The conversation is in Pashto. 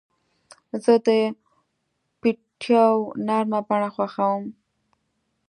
زه د پټیو نرمه بڼه خوښوم.